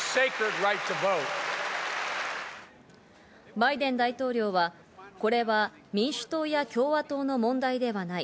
バイデン大統領は、これは民主党や共和党の問題ではない。